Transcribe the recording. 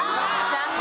残念！